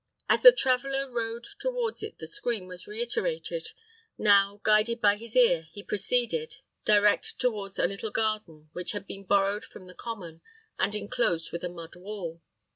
As the traveller rode towards it the scream was reiterated, now, guided by his ear, he proceeded direct towards a little garden, which had been borrowed from the common, and enclosed with a mud wall.